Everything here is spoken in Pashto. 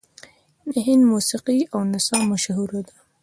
د هند موسیقي او نڅا مشهوره ده.